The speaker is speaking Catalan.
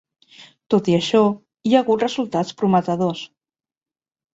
Tot i això, hi ha hagut resultats prometedors.